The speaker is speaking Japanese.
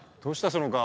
その顔。